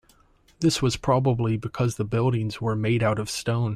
This is probably because the buildings were made out of stone.